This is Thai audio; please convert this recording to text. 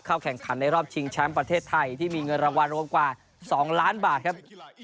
แข่งขันในรอบชิงแชมป์ประเทศไทยที่มีเงินรางวัลรวมกว่า๒ล้านบาทครับ